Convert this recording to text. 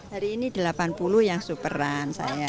hari ini delapan puluh yang superan saya